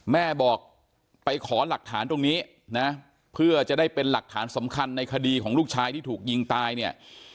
แม่บอกไปขอหลักฐานตรงนี้นะเพื่อจะได้เป็นหลักฐานสำคัญในคดีของลูกชายที่ถูกยิงตายเนี่ย